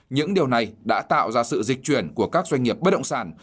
những điều này đã tạo ra sự dịch chuyển của các doanh nghiệp bất động sản